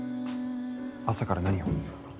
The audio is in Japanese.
朝から何を？